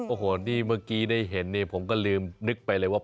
โอ้โหนี่เมื่อกี้ได้เห็นนี่ผมก็ลืมนึกไปเลยว่า